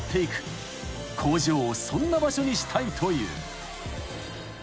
［工場をそんな場所にしたいという］